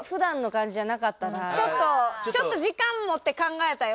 ちょっとちょっと時間持って考えたような。